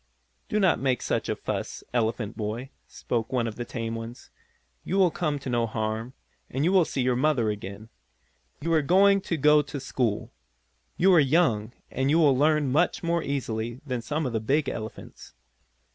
"Do not make such a fuss, elephant boy," spoke one of the tame ones. "You will come to no harm, and you will see your mother again. You are going to go to school. You are young, and you will learn much more easily than some of the big elephants.